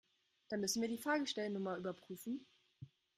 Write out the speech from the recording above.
Dann müssen wir die Fahrgestellnummer überprüfen.